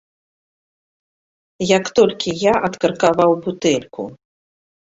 Як толькі я адкаркаваў бутэльку.